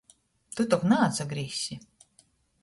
Tu tok naatsagrīzsi?